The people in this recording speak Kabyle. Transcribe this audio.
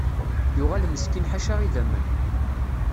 Yuɣal meskin ḥaca idamen.